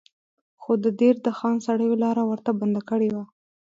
خو د دیر د خان سړیو لاره ورته بنده کړې وه.